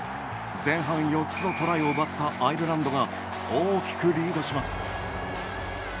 前半４つのトライを奪ったアイルランドが大きくリードします。